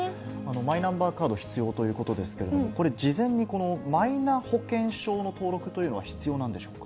マイナンバーカード必要ということですけれども、これ、事前にマイナ保険証の登録というのは、必要なんでしょうか。